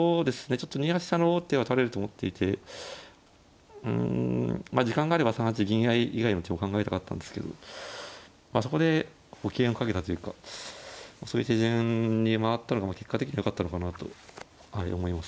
ちょっと２八飛車の王手は打たれると思っていてまあ時間があれば３八銀合い以外の手を考えたかったんですけどまあそこで保険を掛けたというかそういう手順に回ったのが結果的にはよかったのかと思います。